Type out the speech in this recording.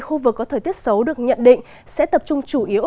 khu vực có thời tiết xấu được nhận định sẽ tập trung chủ yếu